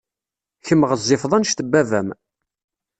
Kemm ɣezzifeḍ anect n baba-m.